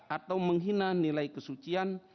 atau menghina nilai kesucian